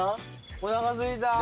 おなかすいた！